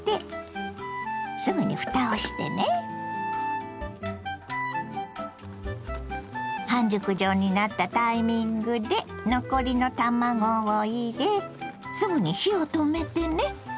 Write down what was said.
まず半熟状になったタイミングで残りの卵を入れすぐに火を止めてね。